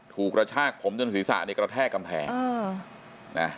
ถูกระชากผมจนศีรษะในกระแทกกำแพง